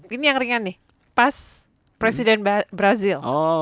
ini yang ringan nih pas presiden brazil